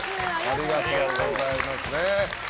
ありがとうございます。